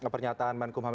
from man kumham